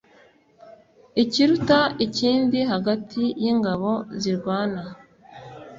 ikiruta ikindi hagati y’ingabo zirwana